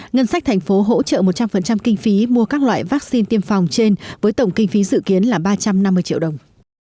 ngân sách thành phố hỗ trợ một trăm linh kinh phí mua các loại vaccine tiêm phòng trên với tổng kinh phí dự kiến là ba trăm năm mươi triệu đồng